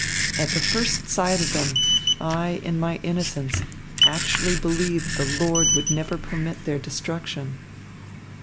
At the first sight of them, I, in my innocence, actually believed the Lord would never permit their destruction."